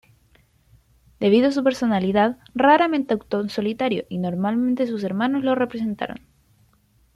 Debido a su personalidad, raramente actuó en solitario, y normalmente sus hermanos lo representaron.